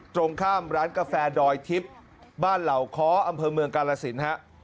ตรงข้ามร้านกาแฟดอยทิพย์บ้านเหล่าค้ออำเภอเมืองกาลสินฮะ